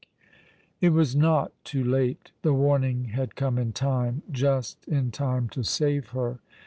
It was not too late. The warning had come in time— just in time to save her.